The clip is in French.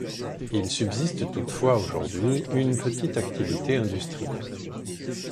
Il subsiste toutefois aujourd'hui une petite activité industrielle.